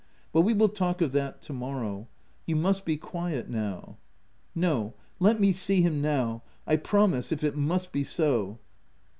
But we will talk of that to morrow : you must be quiet now." " No, let me see him now. I promise, if it must be so."